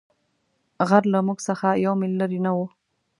غر له موږ څخه یو مېل لیرې نه وو.